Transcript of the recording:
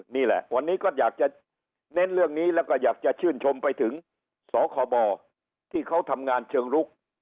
นี่แหละวันนี้ก็อยากจะเน้นเรื่องนี้แล้วก็อยากจะชื่นชมไปถึงสคบที่เขาทำงานเชิงลุก